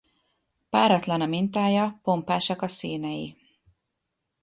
Páratlan a mintája, pompásak a színei!